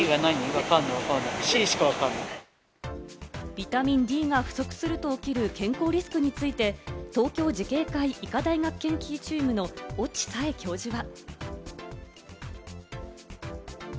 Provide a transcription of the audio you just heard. ビタミンＤが不足すると起きる健康リスクについて、東京慈恵会医科大学研究チームの越智小枝教授は。